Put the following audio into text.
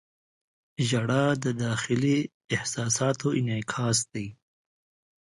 • ژړا د داخلي احساساتو انعکاس دی.